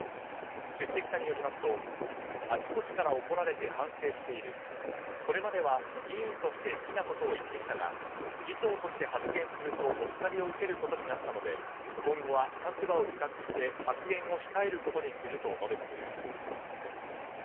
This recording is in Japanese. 出席者によりますとあちこちから怒られて反省しているこれまでは議員として好きなことを言ってきたが議長として発言するとお叱りを受けることになったので今後は立場を自覚して発言を控えることにすると述べたということです。